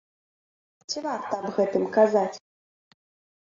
Ці варта аб гэтым казаць?